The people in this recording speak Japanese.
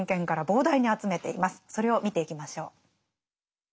それを見ていきましょう。